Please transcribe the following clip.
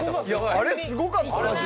あれすごかった。